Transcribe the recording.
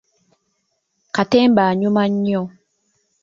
Katemba anyuma nnyo.